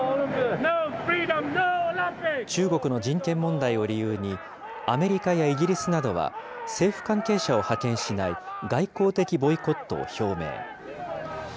中国の人権問題を理由に、アメリカやイギリスなどは政府関係者を派遣しない、外交的ボイコットを表明。